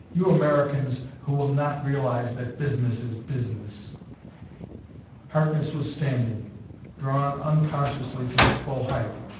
"You Americans who will not realize that business is business!" Harkness was standing, drawn unconsciously to his full height.